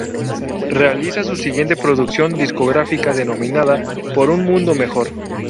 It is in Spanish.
Realiza su siguiente producción discográfica denominada "Por un Mundo Mejor".